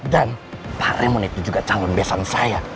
dan pak raymond itu juga calon bebasan saya